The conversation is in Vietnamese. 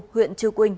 huyện chư quynh